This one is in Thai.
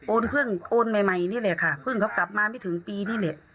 เพิ่งโอนใหม่นี่แหละค่ะเพิ่งเขากลับมาไม่ถึงปีนี่แหละ